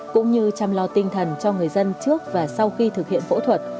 cũng như chăm lo tinh thần cho người dân trước và sau khi thực hiện phẫu thuật